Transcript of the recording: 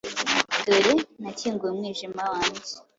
Dore! Nakinguye umwijima wanjye